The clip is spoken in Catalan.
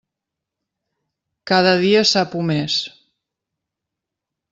Cada dia sap u més.